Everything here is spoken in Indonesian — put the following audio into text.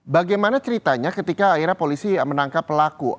bagaimana ceritanya ketika akhirnya polisi menangkap pelaku